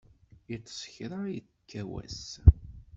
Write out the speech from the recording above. Iṭṭes kra ikka wass.